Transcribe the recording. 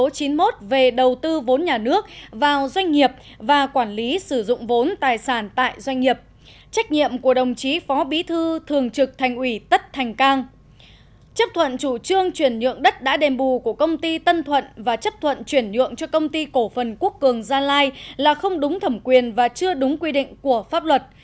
chấp thuận chủ trương chuyển nhượng đất đã đềm bù của công ty tân thuận và chấp thuận chuyển nhượng cho công ty cổ phần quốc cường gia lai là không đúng thẩm quyền và chưa đúng quy định của pháp luật